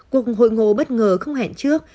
cuộc hội ngộ bất ngờ không hẹn trước